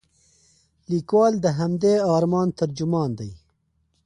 لیکوال د همدې ارمان ترجمان دی.